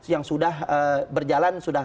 yang sudah berjalan